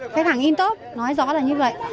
khách hàng in tốt nói rõ là như vậy